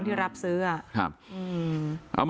ลักษณ์มากกว่า